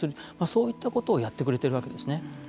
そういったことをやってくれているわけですね。